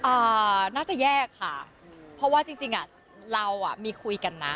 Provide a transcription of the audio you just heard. อ่าน่าจะแยกค่ะเพราะว่าจริงจริงอ่ะเราอ่ะมีคุยกันนะ